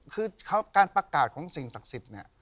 คือการประกาศของสิ่งศักดิ์สิทธิ์เนี่ย